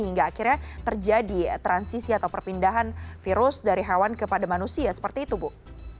hingga akhirnya terjadi transisi atau perpindahan virus dari hewan kepada manusia seperti itu bu